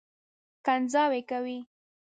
کنځاوې کوي.